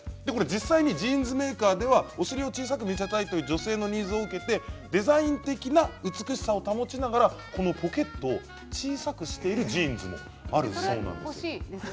実際にジーンズメーカーではお尻を小さく見せたいという女性のニーズを受けてデザイン的な美しさを保ちながらこのポケットを小さくしているジーンズがあるそうです。